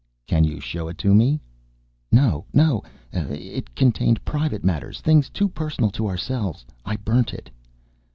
"Can you show it me?" "No; no ... no ... it contained private matters ... things too personal to ourselves.... I burnt it."